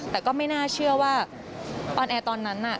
แต่ก็ไม่น่าเชื่อว่าออนแอร์ตอนนั้นน่ะ